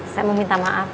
saya meminta maaf